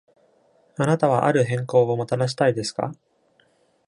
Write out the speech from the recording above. あなたはある変更をもたらしたいですか。